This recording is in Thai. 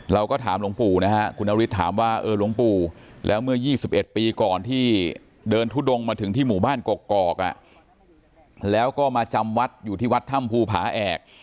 เราก็ถามหลวงปู่นะฮะคุณนฤทธิ์ถามว่าเออหลวงปู่แล้วเมื่อ๒๑ปีก่อนที่เดินทุดงมาถึงที่หมู่บ้านกกอกแล้วก็มาจำวัดอยู่ที่วัดถ้ำภูผาแอก